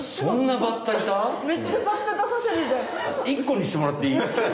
１こにしてもらっていい？